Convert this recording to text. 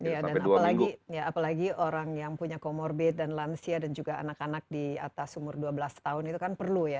iya dan apalagi orang yang punya comorbid dan lansia dan juga anak anak di atas umur dua belas tahun itu kan perlu ya